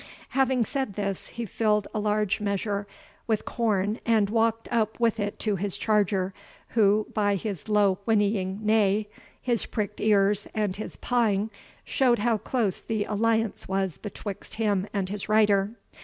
Having said this he filled a large measure with corn, and walked up with it to his charger, who, by his low whinnying neigh, his pricked ears, and his pawing, showed how close the alliance was betwixt him and his rider.